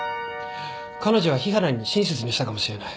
彼女は日原に親切にしたかもしれない。